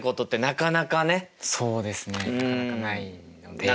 なかなかないので。